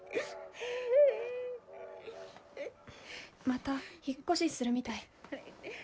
また引っ越しするみたい。